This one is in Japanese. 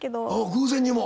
偶然にも？